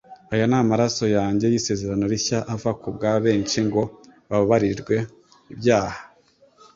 Aya ni amaraso yanjye y'isezerano rishya ava kubwa benshi ngo bababarirwe ibyaha.